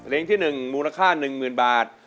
เล็งที่๑มูลค่า๑๐๐๐๐บาท